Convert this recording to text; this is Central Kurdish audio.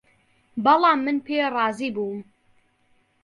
بەڵام من پێی رازی بووم